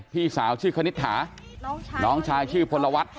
พี่สาวชื่อคณิตหาน้องชายชื่อพลวัฒน์